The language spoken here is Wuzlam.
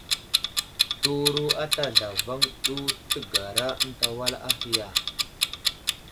Təwuro ata zlavaŋ ɗu təgara ənta wal ahe ya ?